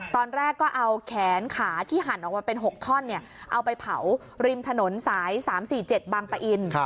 ตอนแรกก็เอาแขนขาที่หั่นออกมาเป็น๖ท่อนเอาไปเผาริมถนนสาย๓๔๗บางปะอิน